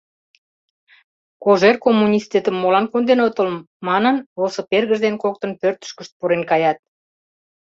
Кожер коммунистетым молан конден отыл? — манын, Осып эргыж ден коктын пӧртышкышт пурен каят.